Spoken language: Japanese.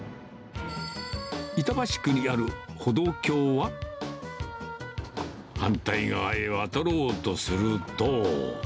板橋区にある歩道橋は、反対側へ渡ろうとすると。